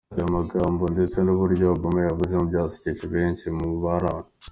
Aya magambo ndetse n’uburyo Obama yayavuzemo byasekeje benshi mu bari aho.